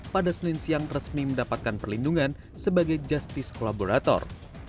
pada senin siang resmi mendapatkan perlindungan sebagai justice kolaborator